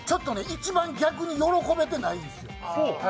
一番逆に喜べてないんですよ。